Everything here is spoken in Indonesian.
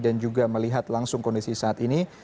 dan juga melihat langsung kondisi saat ini